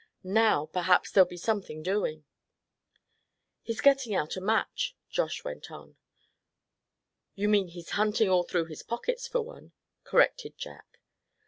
"Now perhaps there'll be something doing." "He's getting out a match," Josh went on. "You mean he's hunting all through his pockets for one," corrected Jack.